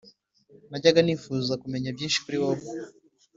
najyaga nifuza kumenya byinshi kuri wowe,